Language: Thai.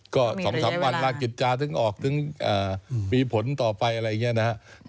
ก็๒๓วันลากิจจาถึงออกถึงมีผลต่อไปอะไรอย่างนี้นะครับ